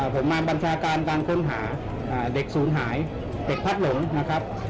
ผมมาบัญชาการการค้นหาเด็กศูนย์หายเด็กพักหลงนะครับ